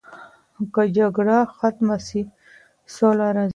که جګړه ختمه سي سوله راځي.